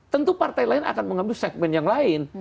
tentu partai lain akan mengambil segmen yang lain